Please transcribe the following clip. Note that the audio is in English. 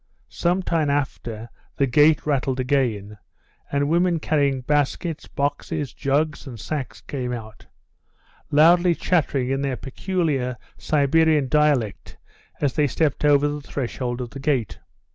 Some time after the gate rattled again, and women carrying baskets, boxes, jugs and sacks came out, loudly chattering in their peculiar Siberian dialect as they stepped over the threshold of the gate.